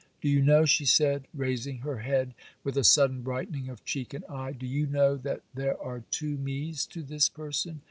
Do you know,' she said, raising her head with a sudden brightening of cheek and eye, 'do you know that there are two me's to this person?